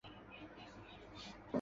随家庭长期寓居上海。